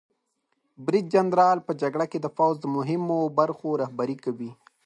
برید جنرال په جګړه کې د پوځ د مهمو برخو رهبري کوي.